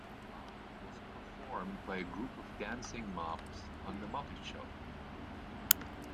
"Rag Mop" was performed by a group of dancing mops on The Muppet Show.